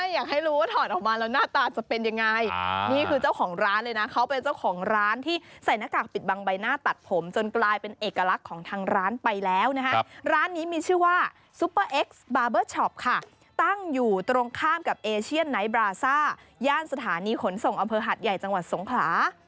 ยานสถานีขนส่งอะอมเภอหัทใหญ่จังหวัดทรงฮลา